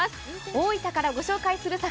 大分から御紹介する坂